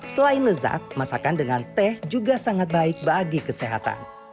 selain lezat masakan dengan teh juga sangat baik bagi kesehatan